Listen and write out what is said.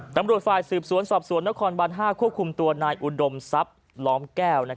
ตำรวจฝ่ายสืบสวนสอบสวนนครบัน๕ควบคุมตัวนายอุดมทรัพย์ล้อมแก้ว